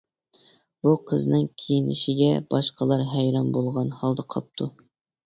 بۇ قىزنىڭ كىيىنىشىگە باشقىلار ھەيران بولغان ھالدا قاپتۇ.